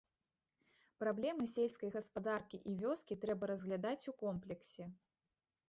Праблемы сельскай гаспадаркі і вёскі трэба разглядаць у комплексе.